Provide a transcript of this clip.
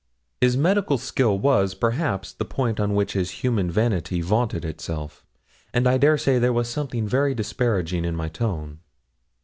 His medical skill was, perhaps, the point on which his human vanity vaunted itself, and I dare say there was something very disparaging in my tone.